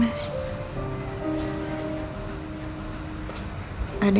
udah ada harvey